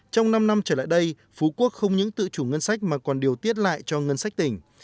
trong năm năm trở lại đây phú quốc không những tự chủ ngân sách mà còn điều tiết lại cho ngân sách tỉnh